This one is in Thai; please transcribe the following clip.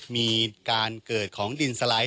มีการเกิดของดินสไลด์